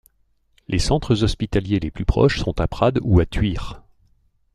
Les centres hospitaliers les plus proches sont à Prades ou à Thuir.